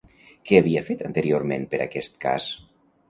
Què havia fet anteriorment per aquest cas?